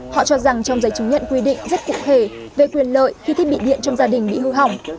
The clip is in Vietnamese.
họ cho rằng trong giấy chứng nhận quy định rất cụ thể về quyền lợi khi thiết bị điện trong gia đình bị hư hỏng